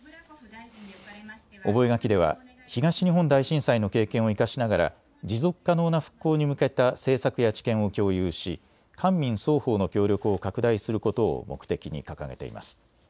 覚書では東日本大震災の経験を生かしながら持続可能な復興に向けた政策や知見を共有し官民双方の協力を拡大することを目的に掲げています。